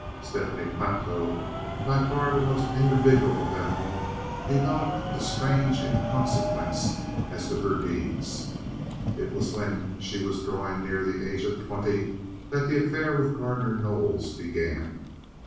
Stephanie Platow, by far the most individual of them all, developed a strange inconsequence as to her deeds. It was when she was drawing near the age of twenty that the affair with Gardner Knowles began.